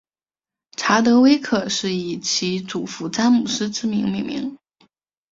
查德威克是以其祖父詹姆斯之名命名。